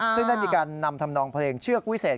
ซึ่งได้มีการนำทำนองเพลงเชือกวิเศษ